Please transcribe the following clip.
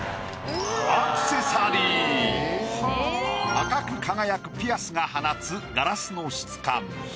赤く輝くピアスが放つガラスの質感。